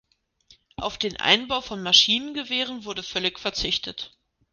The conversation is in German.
Auf den Einbau von Maschinengewehren wurde völlig verzichtet.